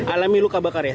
alami luka bakar ya